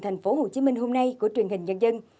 thành phố hồ chí minh hôm nay của truyền hình nhân dân